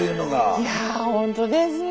いやほんとですよ。